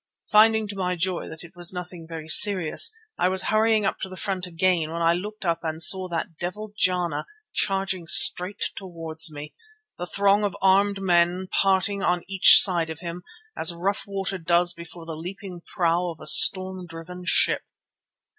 Finding to my joy that it was nothing very serious, I was hurrying to the front again when I looked up and saw that devil Jana charging straight towards me, the throng of armed men parting on each side of him, as rough water does before the leaping prow of a storm driven ship.